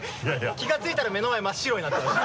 気がついたら目の前真っ白になってました。